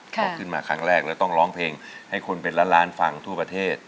พอขึ้นมาครั้งแรกแล้วต้องร้องเพลงให้คนเป็นล้านล้านฟังทั่วประเทศ